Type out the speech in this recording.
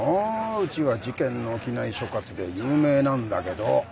うちは事件の起きない所轄で有名なんだけど。